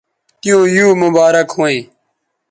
تیوں یو مبارک ھویں